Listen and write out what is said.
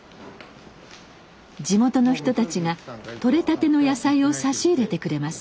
地元の人たちが取れたての野菜を差し入れてくれます。